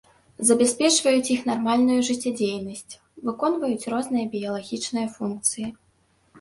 Забяспечваюць іх нармальную жыццядзейнасць, выконваюць розныя біялагічныя функцыі.